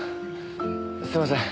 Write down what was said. すいません。